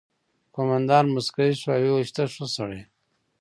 قومندان موسک شو او وویل چې ته ښه سړی یې